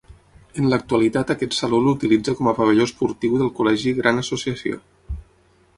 En l'actualitat aquest saló l'utilitza com a pavelló esportiu del col·legi Gran Associació.